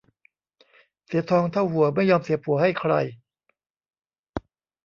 เสียทองเท่าหัวไม่ยอมเสียผัวให้ใคร